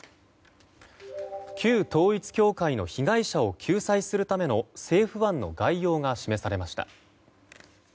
旧統一教会の被害者を救済するための政府案の概要が示されました。